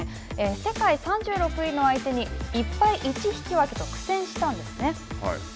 世界３６位の相手に１敗、１引き分けと苦戦したんですね。